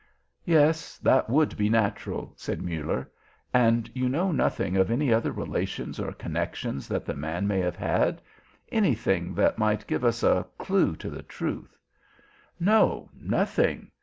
"Yes, that would be natural," said Muller. "And you know nothing of any other relations or connections that the man may have had? Anything that might give us a clue to the truth?" "No, nothing.